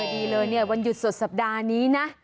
ดีเลยวันหยุดสดสัปดาห์นี้นะ